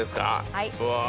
はい。